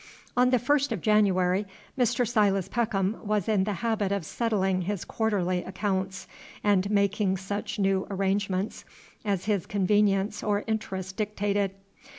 On the first of January, Mr. Silas Peckham was in the habit of settling his quarterly accounts, and making such new arrangements as his convenience or interest dictated.